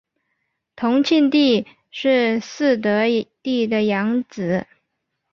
同庆帝是嗣德帝的养子。